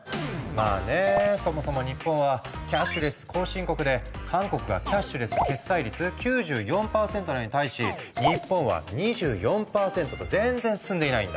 まあねそもそも日本はキャッシュレス後進国で韓国がキャッシュレス決済率９４％なのに対し日本は２４％と全然進んでいないんだ。